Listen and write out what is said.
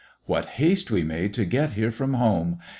" What haste we made to get here from home.